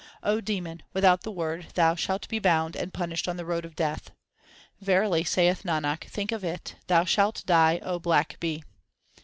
demon, without the Word thou shalt be bound and punished on the road of death. Verily, saith Nanak, think of it, thou shalt die, O black bee.